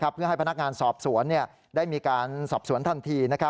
เพื่อให้พนักงานสอบสวนได้มีการสอบสวนทันที